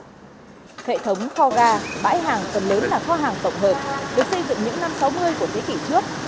hệ thống kho ga bãi hàng phần lớn là kho hàng tổng hợp được xây dựng những năm sáu mươi của thế kỷ trước